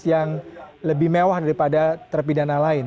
yang lebih mewah daripada terpidana lain